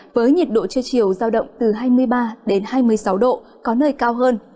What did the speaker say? với nhiệt độ trưa chiều giao động từ hai mươi ba hai mươi sáu độ có nơi cao hơn